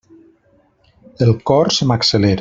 El cor se m'accelera.